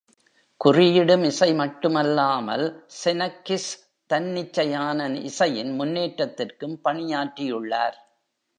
குறியிடும் இசை மட்டுமல்லாமல், செனக்கிஸ் தன்னிச்சையான இசையின் முன்னேற்றத்திற்கும் பணியாற்றியுள்ளார்.